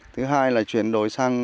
thứ hai là chuyển đổi sang